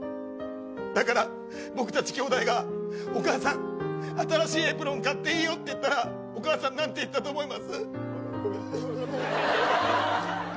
だから、僕たち兄弟がお母さん新しいエプロン買っていいよって言ったらお母さん何て言ったと思います。